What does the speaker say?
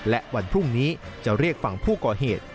และวันพรุ่งนี้จะเรียกฝั่งผู้ก่อเหตุ